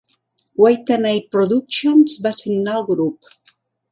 Watanabe Productions va signar el grup.